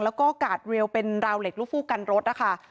แล้วก็กาดเร็วเป็นราวเหล็กลูกฟู้กันรถนะคะ